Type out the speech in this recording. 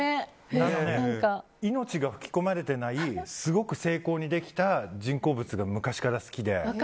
命が吹き込まれていないすごく精巧にできた人工物が昔から好きで。